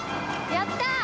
やった！